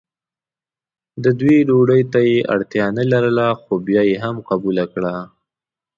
د دوی ډوډۍ ته یې اړتیا نه لرله خو بیا یې هم قبوله کړه.